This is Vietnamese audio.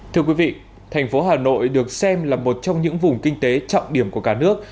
thưa quý vị thành phố hà nội được xem là một trong những vùng kinh tế trọng điểm của cả nước